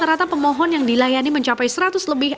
penguasa pemohon yang dilayani mencapai seratus lebih